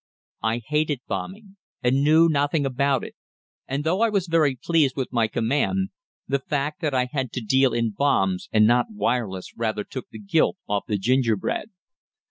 I hated bombing, and knew nothing about it; and, though I was very pleased with my command, the fact that I had to deal in bombs and not wireless rather took the gilt off the gingerbread.